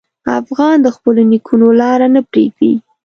افغان د خپلو نیکونو لار نه پرېږدي.